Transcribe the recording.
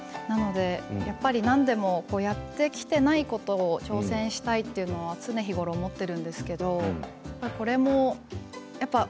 やっぱり何でもやってきていないことを調整したいということは常日頃思っているんですけど